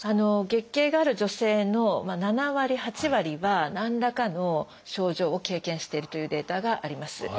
月経がある女性の７割８割は何らかの症状を経験しているというデータがあります。